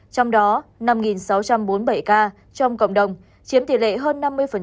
trong đó năm sáu trăm bốn mươi bảy ca trong cộng đồng chiếm tỷ lệ hơn năm mươi